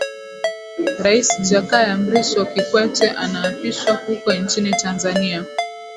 rais jakaya mrisho kikwete anaapishwa huko nchini tanzania